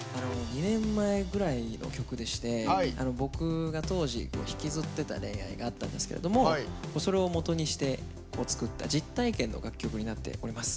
２年前ぐらいの曲でして僕が当時、引きずってた恋愛があったんですけどもそれをもとにして作った実体験の楽曲になっております。